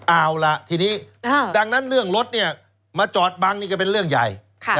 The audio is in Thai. เอาล่ะทีนี้ดังนั้นเรื่องรถมาจอดบังนี่ก็เป็นเรื่องใหญ่